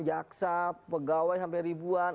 jaksa pegawai hampir ribuan